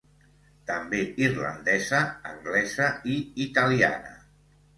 També irlandesa, anglesa i italiana.